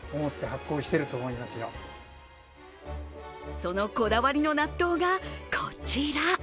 そのこだわりの納豆がこちら。